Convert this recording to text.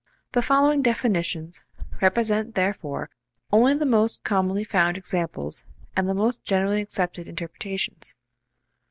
The following definitions represent therefore only the most commonly found examples and the most generally accepted interpretations.